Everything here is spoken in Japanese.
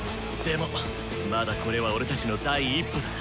でもまだこれは俺たちの第一歩だ。